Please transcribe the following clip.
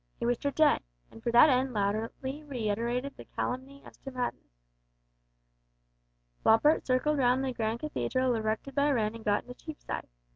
He wished her dead, and for that end loudly reiterated the calumny as to madness. Floppart circled round the grand cathedral erected by Wren and got into Cheapside.